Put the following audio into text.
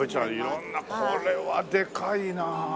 色んなこれはでかいなあ。